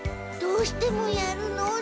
どうしてもやるの？